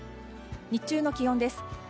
日中の気温です。